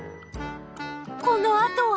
このあとは？